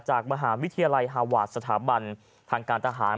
จากมหาวิทยาลัยฮาวาสสถาบันทางการทหาร